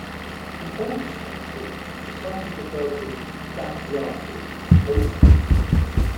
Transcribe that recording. In older scholarship the site is referred to without the article as Okop.